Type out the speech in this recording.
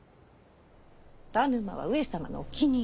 田沼は上様のお気に入り。